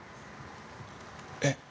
えっ。